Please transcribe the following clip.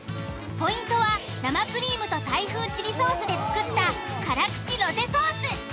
ポイントは生クリームとタイ風チリソースで作った辛口ロゼソース。